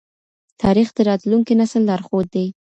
تاریخ د راتلونکي نسل لارښود دی.